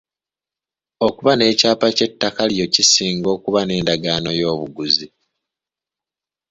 Okuba n'ekyapa ky'ettaka lyo kisinga okuba n'endagaano y'obuguzi.